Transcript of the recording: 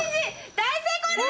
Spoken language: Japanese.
大成功です！